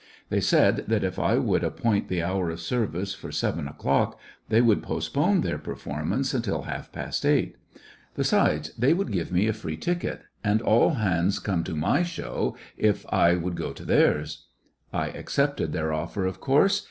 They said that if I would appoint the hour of service for seven o'clock they would postpone their performance until half past eight Besides, they would give me a free ticket, and all hands come to my "show " if I would go to theirs. I accepted their offer, of course.